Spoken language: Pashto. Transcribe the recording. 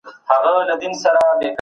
احساساتي او تنفر لرونکې خبرې مه کوئ.